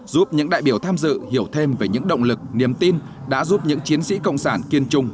giúp những đại biểu tham dự hiểu thêm về những động lực niềm tin đã giúp những chiến sĩ cộng sản kiên trung